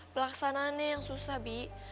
pelaksanaannya yang susah bi